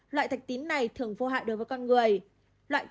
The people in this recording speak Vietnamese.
loại thạch tín này thường vô hại đối với con người